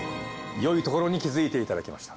よいところに気づいていただきました。